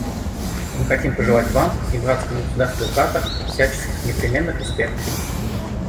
Мы хотим пожелать Вам и братскому государству Катар всяческих непременных успехов.